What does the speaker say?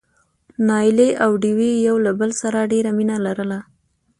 نايلې او ډوېوې يو له بل سره ډېره مينه لرله.